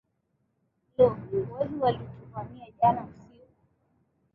Lo! Wezi walituvamia jana usiku.